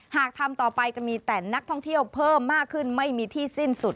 หากทำต่อไปจะมีแต่นักท่องเที่ยวเพิ่มมากขึ้นไม่มีที่สิ้นสุด